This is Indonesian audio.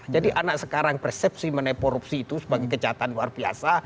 jadi anak sekarang persepsi menaik korupsi itu sebagai kejahatan luar biasa